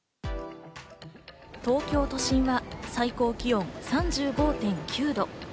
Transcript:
東京都心は最高気温３５．９度。